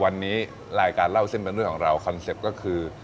วันนี้รายการเล่าเส้นแบบนี้ของเราคอนเซปต์ก็คือ